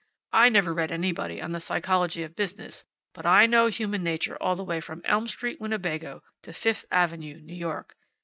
I never read anybody on the Psychology of Business, but I know human nature all the way from Elm Street, Winnebago, to Fifth Avenue, New York."